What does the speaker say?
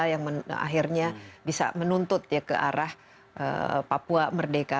yang akhirnya bisa menuntut ke arah papua merdeka